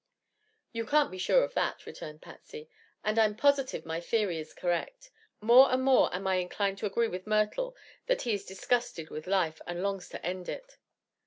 "You can't be sure of that," returned Patsy; "and I'm positive my theory is correct. More and more am I inclined to agree with Myrtle that he is disgusted with life, and longs to end it."